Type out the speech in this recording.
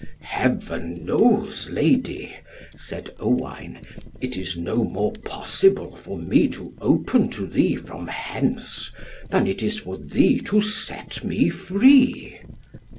"Heaven knows, Lady," said Owain, "it is no more possible for me to open to thee from hence, than it is for thee to set me free."